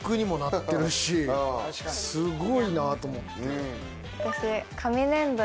すごいなと思って。